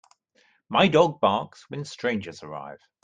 My dog barks when strangers arrive.